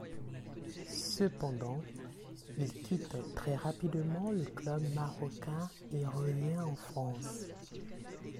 Cependant, il quitte très rapidement le club marocain et revient en France.